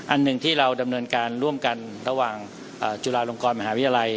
อันหนึ่งที่เราดำเนินการร่วมกันระหว่างจุฬาลงกรมหาวิทยาลัย